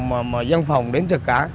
mà dân phòng đến trực cả